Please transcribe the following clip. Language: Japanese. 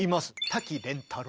滝廉太郎。